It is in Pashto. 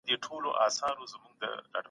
که حضوري چاپيريال خوندي وي زده کوونکي ډاډه وي.